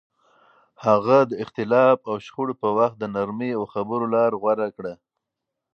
هغه د اختلاف او شخړو په وخت د نرمۍ او خبرو لار غوره کړه.